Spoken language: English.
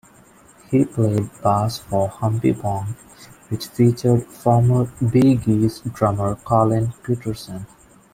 He played bass for Humpy Bong which featured former Bee Gees drummer Colin Petersen.